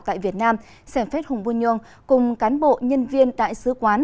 tại việt nam sẻ phép hùng vương nhôn cùng cán bộ nhân viên đại sứ quán